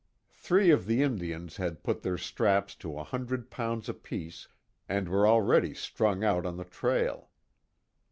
Three of the Indians had put their straps to a hundred pounds apiece and were already strung out on the trail.